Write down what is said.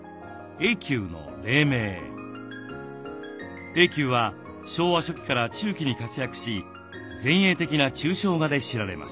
瑛九は昭和初期から中期に活躍し前衛的な抽象画で知られます。